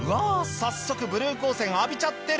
早速ブルー光線浴びちゃってる。